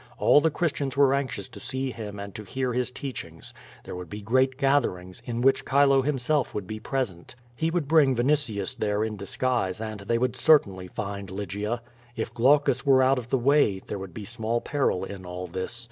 All the Christians were anxious to see him and to hear his teachings. There would be great gatherings, in which Chilo himself would be present. He would bring Vinitius there in disguise and they would certainly find Lygia. If Glaucus were out of the way, there would be small peril in all this.